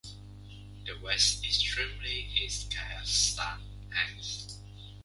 The western extremity is Cape Saint Ann.